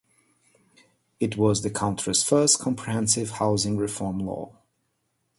It was the country's first comprehensive housing reform law.